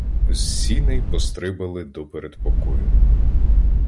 З сіней пострибали до передпокою.